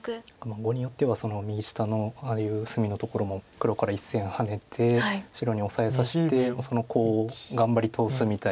碁によっては右下のああいう薄みのところも黒から１線ハネて白にオサえさせてそのコウを頑張りとおすみたいな。